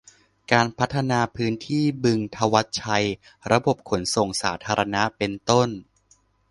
การพัฒนาพื้นที่บึงธวัชชัย ระบบขนส่งสาธารณะ เป็นต้น